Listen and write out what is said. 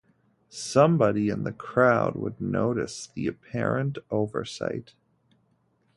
Somebody in the crowd would notice the apparent oversight.